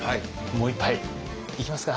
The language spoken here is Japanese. もう一杯いきますか？